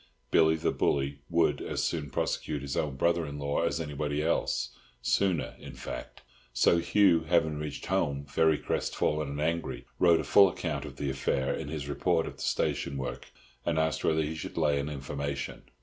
Billy the Bully would as soon prosecute his own brother in law as anybody else—sooner, in fact. So Hugh, having reached home very crest fallen and angry, wrote a full account of the affair in his report of the station work, and asked whether he should lay an information.